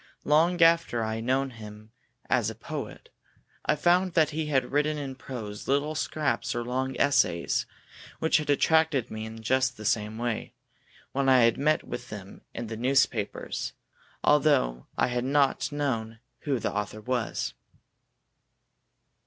Long after I had known him as a poet, I found that he had written in prose little scraps or long essays, which had attracted me in just the same way, when I had met with them in the newspapers, although I had not known who the author was.